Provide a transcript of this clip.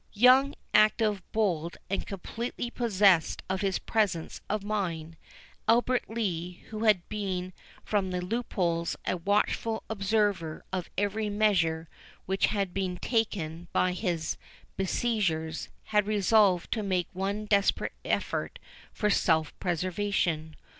Young, active, bold, and completely possessed of his presence of mind, Albert Lee, who had been from the loopholes a watchful observer of every measure which had been taken by his besiegers, had resolved to make one desperate effort for self preservation.